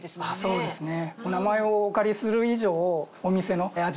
そうですね。